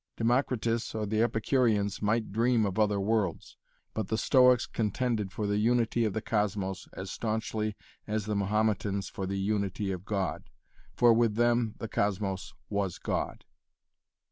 Democritus or the Epicureans might dream of other worlds, but the Stoics contended for the unity of the cosmos as staunchly as the Mahometans for the unity of God, for with them the cosmos was God.